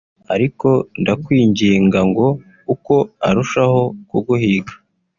ariko ndakwinginga ngo uko arushaho kuguhiga